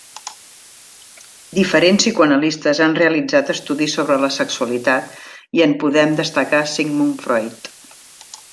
Diferents psicoanalistes han realitzat estudis sobre la sexualitat i en podem destacar Sigmund Freud.